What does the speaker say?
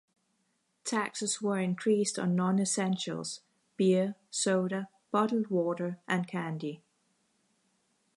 Taxes were increased on non-essentials - beer, soda, bottled water, and candy.